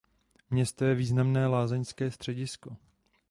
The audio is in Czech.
Město je významné lázeňské středisko.